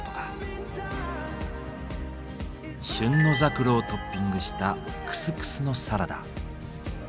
旬のザクロをトッピングしたクスクスのサラダ。